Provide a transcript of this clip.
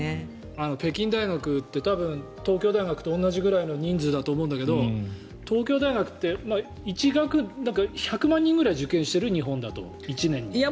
北京大学って東京大学と同じくらいの人数だと思うんだけど東京大学って１００万人ぐらい受験してる？